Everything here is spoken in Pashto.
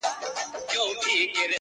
سلطنت یې له کشمیره تر دکن وو٫